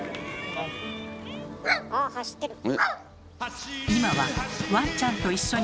あ走ってる。